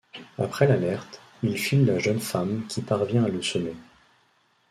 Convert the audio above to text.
Après l'alerte, il file la jeune femme qui parvient à le semer.